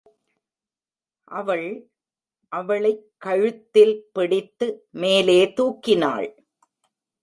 அவள், அவளைக் கழுத்தில் பிடித்து மேலே தூக்கினாள்.